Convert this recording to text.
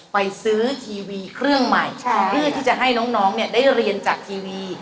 ไปซื้อทีวีเครื่องใหม่เพื่อที่จะให้น้องได้เรียนจากทีวี